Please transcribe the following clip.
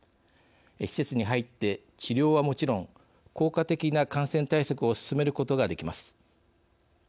施設に入って、治療はもちろん効果的な感染対策を進めることができます。